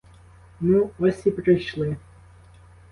Ну, ось і прийшли.